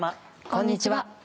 こんにちは。